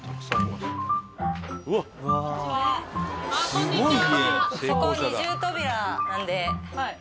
こんにちは。